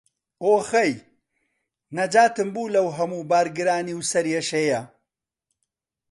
ئۆخەی، نەجاتم بوو لەو هەموو بارگرانی و سەرێشەیە.